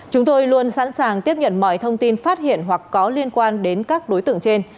chúng tôi luôn sẵn sàng tiếp nhận mọi thông tin phát hiện hoặc có liên quan đến các đối tượng trên